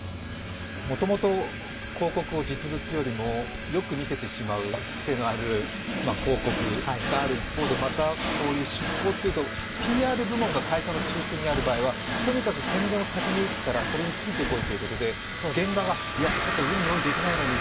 もともと広告を実物よりもよく見せてしまう癖がある広告がある一方で、またこういう出稿というと、ＰＲ部門が会社の中枢にあるととにかく宣伝を先に打つから、それについてこいということで現場が、いやちょっとうに用意できないのに